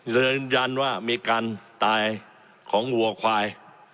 ยืนยันว่ามีการตายของวัวควาย